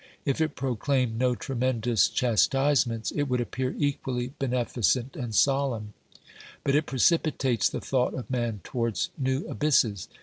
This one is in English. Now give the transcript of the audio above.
If it proclaimed no tremendous chastise ments it would appear equally beneficent and solemn, but it precipitates the thought of man towards new abysses.